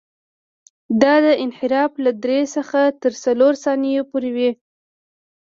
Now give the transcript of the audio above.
دا انحراف له درې څخه تر څلورو ثانیو پورې وي